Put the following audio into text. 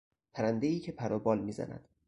پرندهای که پر و بال میزند